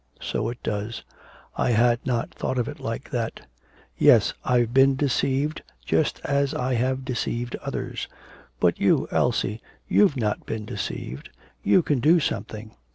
'So it does. I had not thought of it like that. Yes, I've been deceived just as I have deceived others. But you, Elsie, you've not been deceived, you can do something.